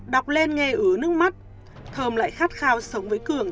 đọc lên nghe ứa nước mắt thơm lại khát khao sống với cường